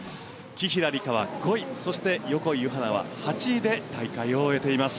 紀平梨花は５位そして横井ゆは菜は８位で大会を終えています。